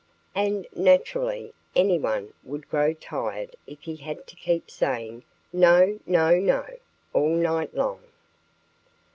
And naturally anyone would grow tired if he had to keep saying "No! no! no!" all night long.